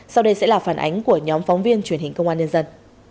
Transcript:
sau đây sẽ là phản ánh của nhóm phóng viên truyền hình công an nhân dân